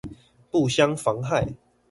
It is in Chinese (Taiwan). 不相妨害